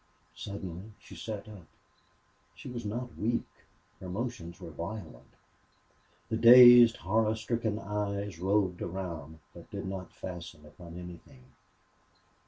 Suddenly she sat up. She was not weak. Her motions were violent. The dazed, horror stricken eyes roved around, but did not fasten upon anything.